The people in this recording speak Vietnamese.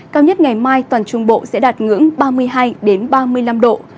cao nhất ngày mai toàn trung bộ sẽ đạt ngưỡng ba mươi hai ba mươi năm độ